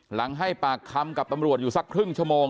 ให้ปากคำกับตำรวจอยู่สักครึ่งชั่วโมง